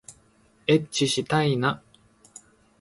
えっちしたいな